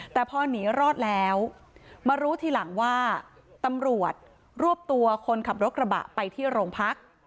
แต่พอหนีรอดแล้วมารู้ทีหลังว่าตำรวจรวบตัวคนขับรถกระบะไปที่โรงพัก